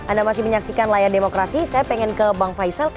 anda masih menyaksikan layar demokrasi saya pengen ke bang faisal